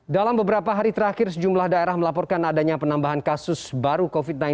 dalam beberapa hari terakhir sejumlah daerah melaporkan adanya penambahan kasus baru covid sembilan belas